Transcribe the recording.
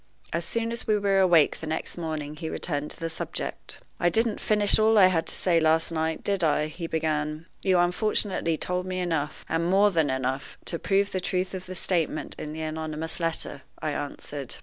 As soon as we were awake the next morning he returned to the subject. "I didn't finish all I had to say last night, did I?" he began. "You unfortunately told me enough, and more than enough, to prove the truth of the statement in the anonymous letter," I answered.